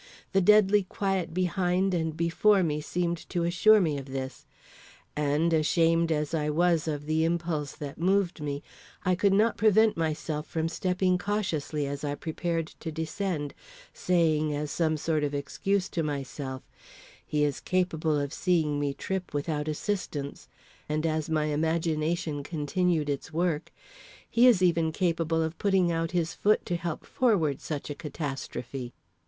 The deadly quiet behind and before me seemed to assure me of this; and, ashamed as I was of the impulse that moved me, I could not prevent myself from stepping cautiously as I prepared to descend, saying as some sort of excuse to myself: "He is capable of seeing me trip without assistance," and as my imagination continued its work: "He is even capable of putting out his foot to help forward such a catastrophe."